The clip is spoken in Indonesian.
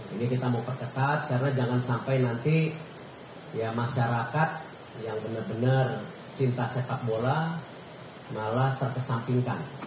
ini kita mau perketat karena jangan sampai nanti ya masyarakat yang benar benar cinta sepak bola malah terkesampingkan